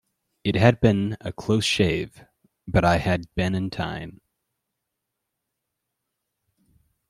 It had been a close shave, but I had been in time.